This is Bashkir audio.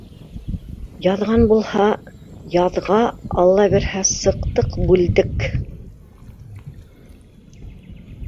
Яҙған булһа, яҙға, алла бирһә, сыҡтыҡ — бүлдек.